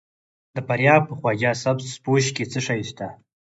د فاریاب په خواجه سبز پوش کې څه شی شته؟